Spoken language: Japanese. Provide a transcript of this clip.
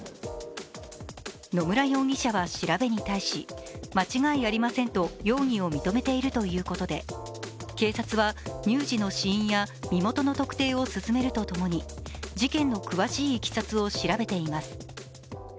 野村容疑者は調べに対し間違いありませんと容疑を認めているということで警察は乳児の死因や身元の特定を進めるとともに事件の詳しいいきさつを調べています。